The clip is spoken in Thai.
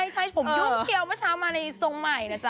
ใช่ผมยุ่งเชียวเมื่อเช้ามาในทรงใหม่นะจ๊